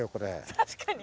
確かに。